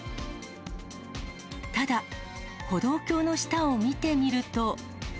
ただ、歩道橋の下を見てみると。